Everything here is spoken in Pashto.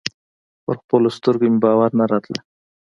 پر خپلو سترګو مې باور نه راته.